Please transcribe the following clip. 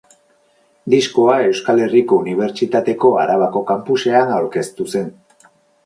Diskoa Euskal Herriko Unibertsitateko Arabako kanpusean aurkeztu zen.